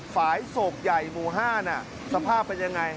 ฝายโศกใหญ่หมู่ห้านสภาพเป็นอย่างไร